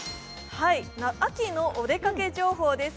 秋のお出かけ情報です。